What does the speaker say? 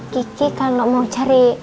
kiki kalau mau cari